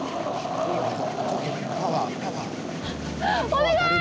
お願い！